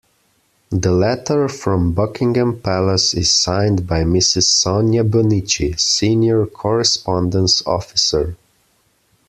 The letter from Buckingham Palace is signed by Mrs Sonia Bonici, Senior Correspondence Officer.